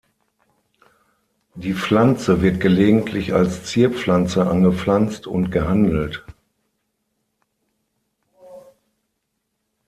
Die Pflanze wird gelegentlich als Zierpflanze angepflanzt und gehandelt.